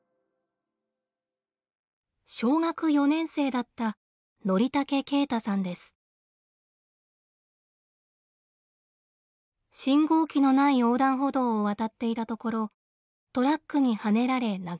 小学４年生だった信号機のない横断歩道を渡っていたところトラックにはねられ亡くなりました。